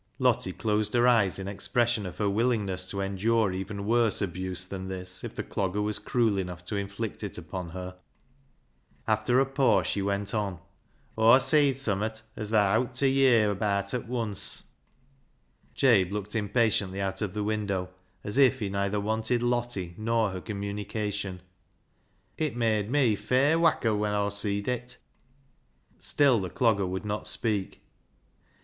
Lottie closed her eyes in expression of her willingness to endure even worse abuse than this if the Clogger was cruel enough to inflict it upon her. After a pause, she went on —" Aw seed summat as thaa owt ta ) er abaat at wunce." Jabe looked impatiently out of the window, as if he neither wanted Lottie nor her communication. " It made me fair whacker when Aw seed it." Still the Clogger would not speak.